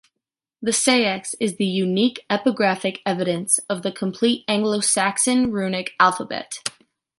The seax is the unique epigraphic evidence of the complete Anglo-Saxon runic alphabet.